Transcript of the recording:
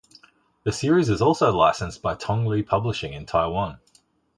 The series is also licensed by Tong Li Publishing in Taiwan.